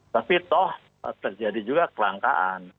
tapi toh terjadi juga kelangkaan